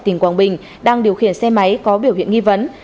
tỉnh quảng bình đang điều khiển xe máy có biểu hiện nghi vấn